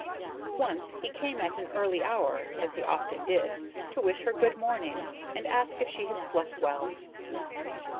Once he came at an early hour, as he often did, to wish her good morning and ask if she had slept well.